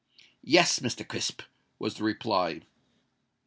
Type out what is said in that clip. "Yes, Mr. Crisp," was the reply.